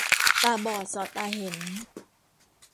ตาบอดสอดตาเห็น